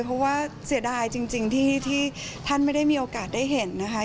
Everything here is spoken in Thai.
เพราะว่าเสียดายจริงที่ท่านไม่ได้มีโอกาสได้เห็นนะคะ